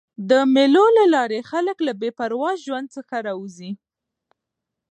د مېلو له لاري خلک له بې پروا ژوند څخه راوځي.